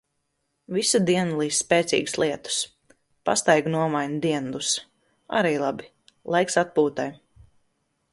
Visu dienu līst spēcīgs lietus. Pastaigu nomaina diendusa. Arī labi. Laiks atpūtai.